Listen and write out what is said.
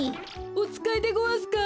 おつかいでごわすか？